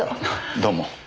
どうも。